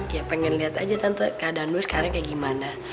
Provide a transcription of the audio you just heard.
ya pengen liat aja tante keadaan gue sekarang kayak gimana